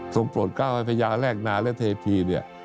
ทรงโปรดก้าวให้พระยาแรกนาและเทพี